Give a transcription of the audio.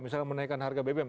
misalnya menaikkan harga bbm